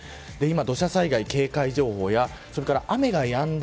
土砂災害警戒情報や雨がやんだ